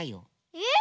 えっ？